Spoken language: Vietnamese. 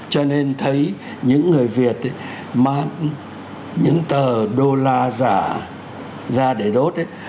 cho nên thấy những người việt mang những tờ đô la giả ra để đốt ấy